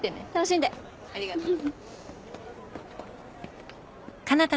ありがとう。